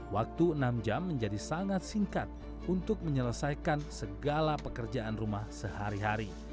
waktu enam jam menjadi sangat singkat untuk menyelesaikan segala pekerjaan rumah sehari hari